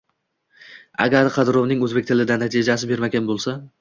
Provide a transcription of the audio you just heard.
Agar qidiruvingiz o’zbek tilida natija bermagan bo’lsa